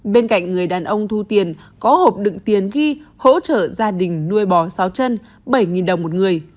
bên cạnh người đàn ông thu tiền có hộp đựng tiền ghi hỗ trợ gia đình nuôi bò sáu chân bảy đồng một người